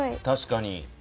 確かに。